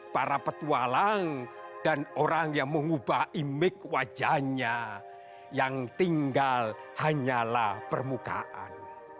para petualang dan orang yang mengubah image wajahnya yang tinggal hanyalah permukaan